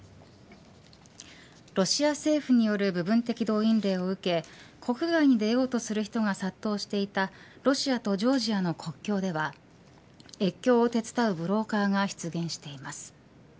ロシア政府による部分的動員令を受け国外に出ようとする人が殺到していたロシアとジョージアの国境では越境を手伝うブローカーが出現しています。